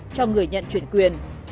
cho người nhận chuyển quyền